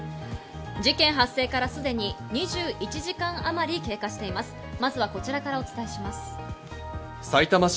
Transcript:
事件発生からすでに２１時間あまりが経過しています。